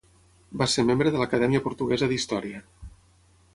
Va ser membre de l'Acadèmia Portuguesa d'Història.